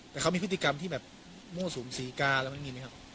แต่เขามีพฤติกรรมที่แบบโม้สูงสีกาแล้วมันมีมั้ยครับ